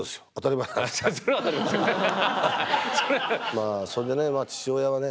まあそれでね父親はね